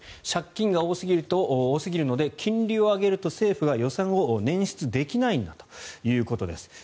借金が多すぎるので金利を上げると政府は予算を捻出できないんだということです。